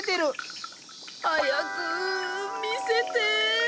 早く見せて。